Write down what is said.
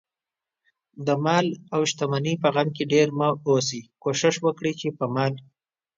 دمال اوشتمنۍ په غم کې ډېر مه اوسئ، کوښښ وکړئ، چې په مال